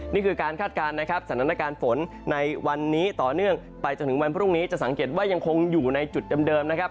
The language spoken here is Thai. นี่คือการคาดการณ์นะครับสถานการณ์ฝนในวันนี้ต่อเนื่องไปจนถึงวันพรุ่งนี้จะสังเกตว่ายังคงอยู่ในจุดเดิมนะครับ